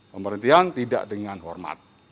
pemberhentian tidak dengan hormat